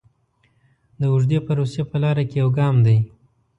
د اوږدې پروسې په لاره کې یو ګام دی.